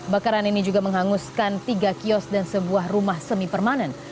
bakaran ini juga menghanguskan tiga kios dan sebuah rumah semi permanen